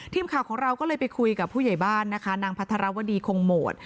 ทีมข่าวของเราก็เลยไปคุยกับผู้ใหญ่บ้านนะคะนางพัทรวดีคงโหมด